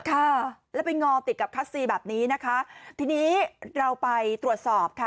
ค่ะแล้วไปงอติดกับคัสซีแบบนี้นะคะทีนี้เราไปตรวจสอบค่ะ